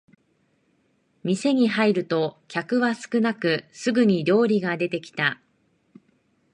店に入ると客は少なくすぐに料理が出てきた